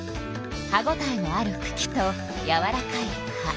歯ごたえのあるくきとやわらかい葉。